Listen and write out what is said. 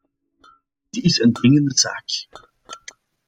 Dit is een dringende zaak.